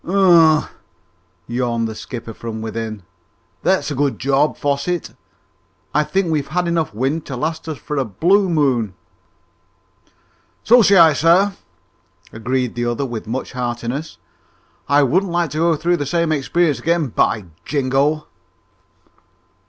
"Humph!" yawned the skipper from within. "That's a good job, Fosset. I think we've had enough wind to last us for a blue moon!" "So say I, sir," agreed the other with much heartiness. "I wouldn't like to go through the same experiences again, by Jingo!"